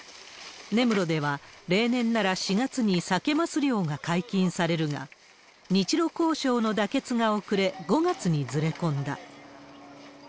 根室では、例年なら４月にサケマス漁が解禁されるが、日ロ交渉の妥結が遅れ、５月にずれ込んだ。